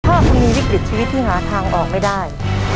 ถ้าคุณมีวิกฤตชีวิตที่หาทางออกไม่ได้